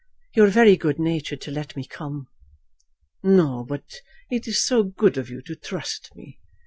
"You are very good natured to let me come." "No; but it is so good of you to trust me.